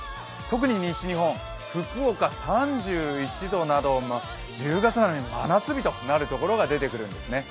特に西日本、福岡３１度など１０月なのに真夏日となるところが出てくるんですね。